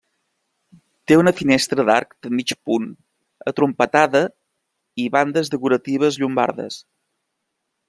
Té una finestra d'arc de mig punt atrompetada i bandes decoratives llombardes.